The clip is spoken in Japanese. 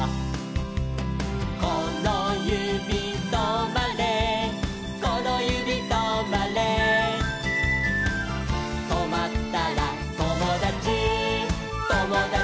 「このゆびとまれこのゆびとまれ」「とまったらともだちともだちとまれ」